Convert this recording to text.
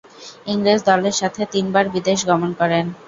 ইংরেজ দলের সাথে তিনবার বিদেশ গমন করেন।